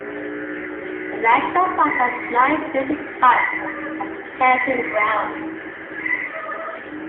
The national park has nine basic huts and camping grounds.